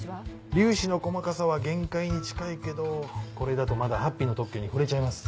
粒子の細かさは限界に近いけどこれだとまだハッピーの特許に触れちゃいます。